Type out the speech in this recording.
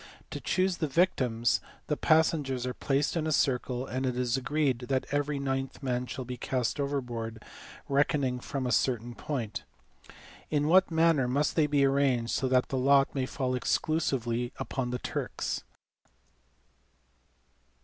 To choose the victims, the passengers are placed in a circle, and it is agreed that every ninth man shall be cast overboard, reckoning from a certain point. In what manner must they be arranged, so that the lot may fall exclusively upon the Turks